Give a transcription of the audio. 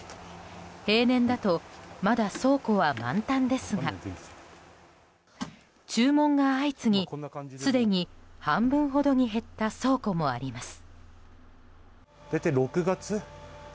平年だとまだ倉庫は満タンですが注文が相次ぎ、すでに半分ほどに減った倉庫もあります。